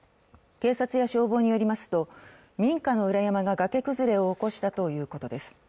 警察や消防によりますと民家の裏山が崖崩れを起こしたということです。